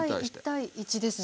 １：１：１ですね。